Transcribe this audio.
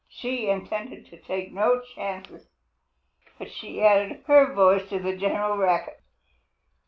She intended to take no chances, but she added her voice to the general racket.